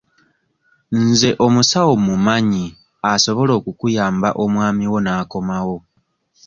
Nze omusawo mmumanyi asobola okukuyamba omwami wo n'akomawo.